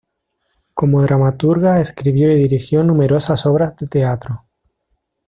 Como dramaturga escribió y dirigió numerosas obras de teatro.